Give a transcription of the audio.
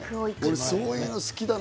そういうの好きだな。